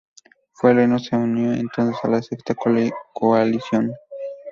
El reino se unió entonces a la Sexta Coalición.